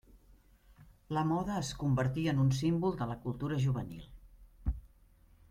La moda es convertí en un símbol de la cultura juvenil.